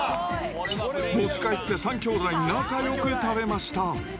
持ち帰って３きょうだい仲よく食べました。